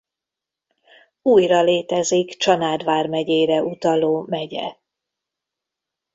Újra létezik Csanád vármegyére utaló megye.